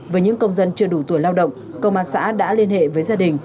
với những công dân chưa đủ tuổi lao động công an xã đã liên hệ với gia đình